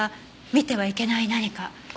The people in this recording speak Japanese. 見てはいけない何か。